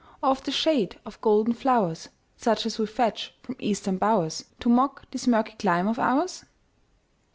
Or of the shade of golden flowers, Such as we fetch from Eastern bowers, To mock this murky clime of ours?